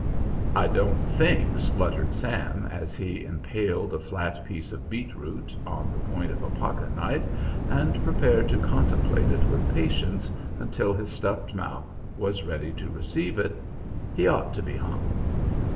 "I don't think," spluttered Sam as he impaled a flat piece of beet root on the point of a pocket knife and prepared to contemplate it with patience until his stuffed mouth was ready to receive it, "he ought to be hung."